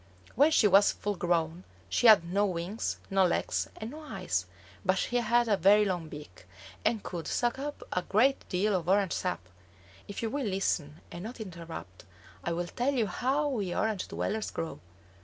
When she was full grown she had no wings, no legs, and no eyes, but she had a very long beak, and could suck up a great deal of orange sap. If you will listen and not interrupt, I will tell you how we Orange dwellers grow.